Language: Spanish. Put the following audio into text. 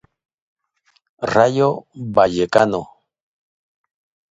Rayo Vallecano.